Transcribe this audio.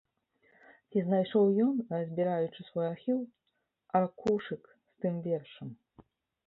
Ці знайшоў ён, разбіраючы свой архіў, аркушык з тым вершам?